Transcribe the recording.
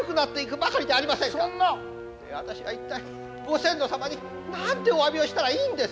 私は一体ご先祖様に何ておわびをしたらいいんです。